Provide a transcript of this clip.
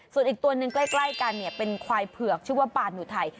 ส่วนอีกตัวหนึ่งใกล้กันเนี่ยเป็นควายเผือกชื่อว่าปานอุทัย